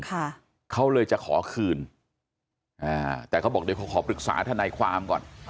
ค่ะเขาเลยจะขอคืนอ่าแต่เขาบอกเดี๋ยวขอปรึกษาทนายความก่อน